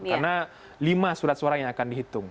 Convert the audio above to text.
karena lima surat suaranya yang akan dihitung